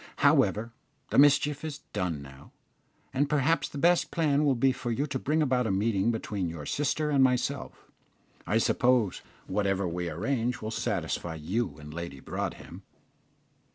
"However, the mischief is done now, and perhaps the best plan will be for you to bring about a meeting between your sister and myself. I suppose whatever we arrange will satisfy you and Lady Broadhem?"